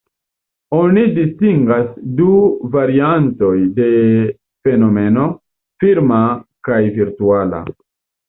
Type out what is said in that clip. Oni distingas du variantoj de fenomeno: firma kaj virtuala.